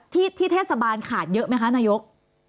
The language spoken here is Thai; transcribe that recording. ที่เทศบาลขาดเยอะไหมคะนายก